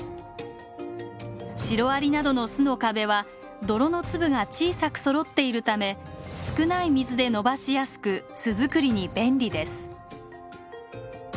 シロアリなどの巣の壁は泥の粒が小さくそろっているため少ない水でのばしやすく巣作りに便利です。